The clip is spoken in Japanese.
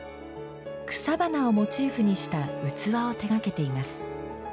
草花をモチーフにした器を手がけています。